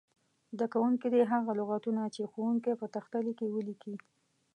زده کوونکي دې هغه لغتونه چې ښوونکی په تخته لیکي ولیکي.